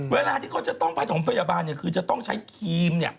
เวลาที่เขาจะต้องไปส่งพยาบาลเนี่ยคือจะต้องใช้ครีมเนี่ย